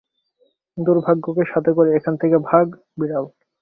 দুর্ভাগ্যকে সাথে করে এখান থেকে ভাগ, বিড়াল!